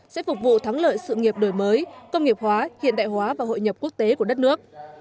sẽ phục vụ thắng lợi sự nghiệp đổi mới công nghiệp hóa hiện đại hóa và hội nhập quốc tế của đất nước